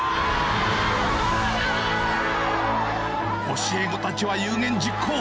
教え子たちは有言実行。